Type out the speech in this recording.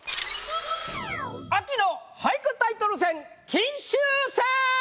秋の俳句タイトル戦金秋戦！